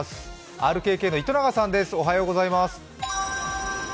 ＲＫＫ、糸永さんです。